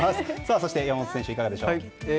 そして山本選手いかがでしょうか。